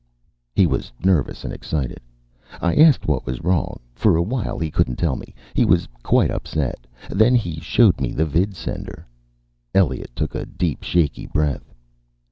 He was nervous and excited. I asked what was wrong. For awhile he couldn't tell me. He was quite upset. Then he showed me the vidsender." Elliot took a deep, shaky breath.